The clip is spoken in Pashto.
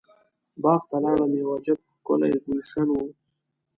باغ ته لاړم یو عجب ښکلی ګلشن و.